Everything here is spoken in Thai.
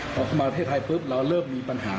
พอมาประเทศไทยปุ๊บเราเริ่มมีปัญหา